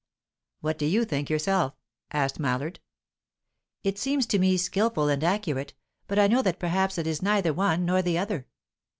"What do you think yourself?" asked Mallard. "It seems to me skilful and accurate, but I know that perhaps it is neither one nor the other."